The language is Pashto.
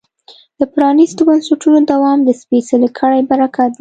د پرانیستو بنسټونو دوام د سپېڅلې کړۍ برکت و.